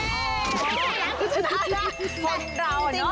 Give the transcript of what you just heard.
โอ้โฮเห็นแล้วก็จะทานแล้ว